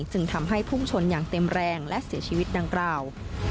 จึงทำให้พุ่งชนอย่างเต็มแรงและเสียชีวิตดังกล่าว